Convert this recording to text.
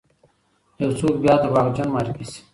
یو څوک بیا دروغجن معرفي سی،